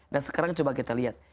nah sekarang coba kita lihat